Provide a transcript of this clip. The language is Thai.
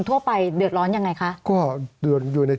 สวัสดีครับทุกคน